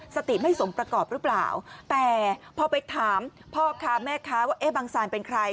สติไม่สมประกอบหรือเปล่าแต่พอไปถามพ่อค้าแม่ค้าว่าเอ๊ะบังซานเป็นใคร